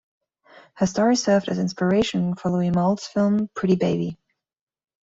Her story served as inspiration for Louis Malle's film "Pretty Baby".